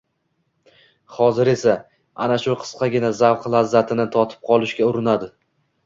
hozir esa ana shu qisqagina zavq lazzatini totib qolishga urinadi